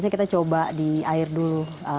kita coba di air dulu